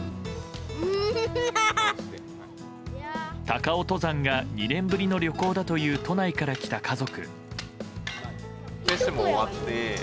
高尾登山が２年ぶりの旅行だという都内から来た家族。